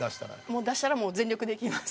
もう出したら全力でいきます。